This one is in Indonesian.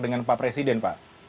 dengan pak presiden pak